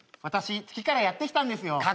私月からやって来たんですよ。